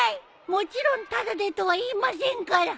もちろんタダでとは言いませんから。